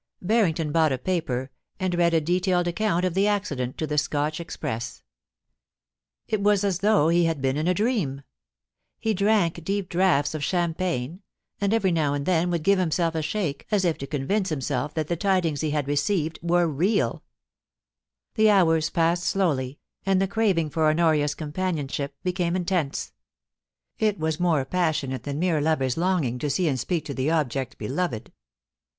Barrington bought a paper, and read a detailed account of the accident to the Scotch express. It was as though he had been in a dream. He drank deep draughts of champagne, and every now and then would give himself a shake as if to convince himself that the tidings he had received were real The hours passed slowly, and the craving for Honoria's companionship became intense; it was more x>assionate than mere lover's longing to see and speak to the object beloved.